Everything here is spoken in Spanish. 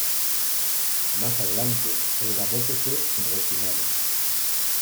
Más adelante, el garrote fue refinado.